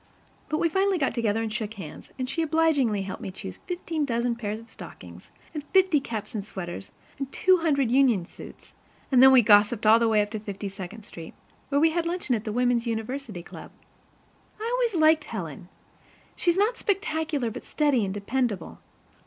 But we finally got together and shook hands, and she obligingly helped me choose fifteen dozen pairs of stockings and fifty caps and sweaters and two hundred union suits, and then we gossiped all the way up to Fifty second Street, where we had luncheon at the Women's University Club. I always liked Helen. She's not spectacular, but steady and dependable.